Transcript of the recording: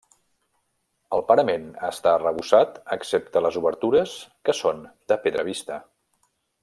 El parament està arrebossat excepte les obertures que són de pedra vista.